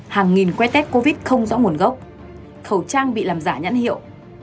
hàng nghìn que tét covid không rõ nguồn gốc khẩu trang bị làm giả nhãn hiệu